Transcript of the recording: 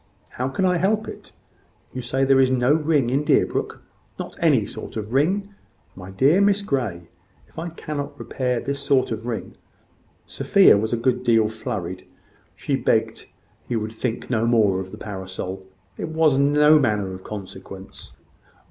"How can I help it? You say there is no ring in Deerbrook. Not any sort of ring? My dear Miss Grey, if I cannot repair this sort of ring " Sophia was a good deal flurried. She begged he would think no more of the parasol; it was no manner of consequence.